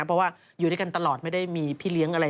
เพราะว่าอยู่ด้วยกันตลอดไม่ได้มีพี่เลี้ยงอะไร